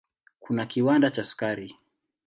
Kuna kiwanda cha sukari.